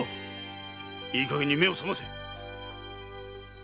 いいかげんに目を覚ませ！